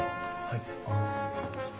はい。